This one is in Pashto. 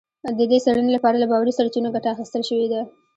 د دې څېړنې لپاره له باوري سرچینو ګټه اخیستل شوې ده